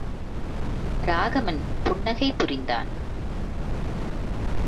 ராகவன் புன்னகை புரிந்தான்!